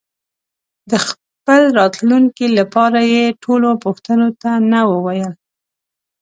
د خپل راتلونکي لپاره یې ټولو پوښتنو ته نه وویل.